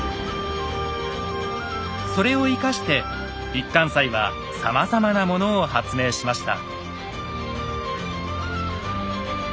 それを生かして一貫斎はさまざまなものを発明しました。